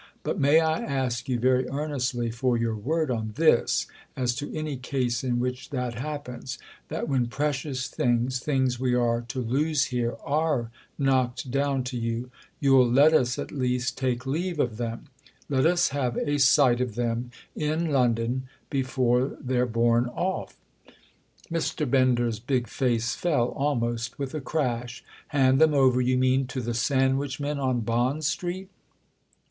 But may I ask you, very earnestly, for your word on this, as to any case in which that happens—that when precious things, things we are to lose here, are knocked down to you, you'll let us at least take leave of them, let us have a sight of them in London, before they're borne off?" Mr. Bender's big face fell almost with a crash. "Hand them over, you mean, to the sandwich men on Bond Street?"